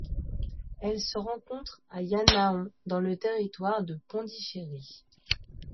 Elle se rencontre à Yanaon dans le territoire de Pondichéry.